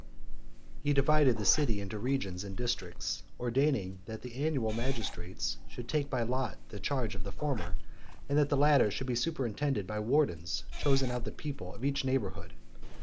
(94) XXX. He divided the city into regions and districts, ordaining that the annual magistrates should take by lot the charge of the former; and that the latter should be superintended by wardens chosen out of the people of each neighbourhood.